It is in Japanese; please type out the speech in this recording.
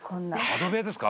「角部屋ですか？